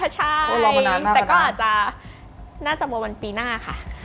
ใช่แต่ก็อาจจะน่าจะโมวันปีหน้าค่ะ